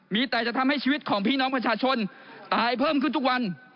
มีแต่จะทำให้ชีวิตของพี่น้องประชาชนตายเพิ่มขึ้นทุกวัน